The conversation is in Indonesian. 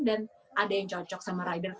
dan ada yang cocok sama rider